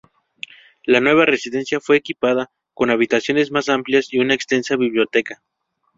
La nueva residencia fue equipada con habitaciones más amplias y una extensa biblioteca.